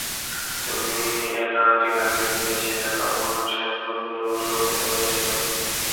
তুমি এটা টিনাকে দিয়েছিলে যখন সে একটি নতুন জীবন শুরু করতে যাচ্ছিলো।